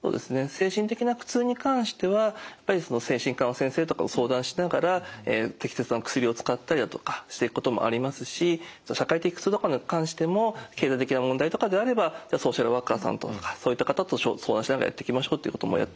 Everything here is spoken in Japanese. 精神的な苦痛に関しては精神科の先生とかと相談しながら適切な薬を使ったりだとかしていくこともありますし社会的苦痛とかに関しても経済的な問題とかであればソーシャルワーカーさんととかそういった方と相談しながらやっていきましょうということもやっていきます。